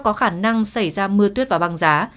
có khả năng xảy ra mưa tuyết và băng giá